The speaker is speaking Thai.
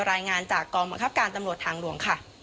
รายงานจากกองบังคับการตำรวจทางหลวงค่ะ